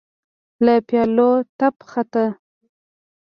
له پيالو تپ خوت.